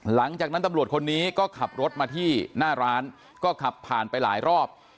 หลังจากนั้นตำรวจคนนี้ก็ขับรถมาที่หน้าร้านก็ขับผ่านไปหลายรอบ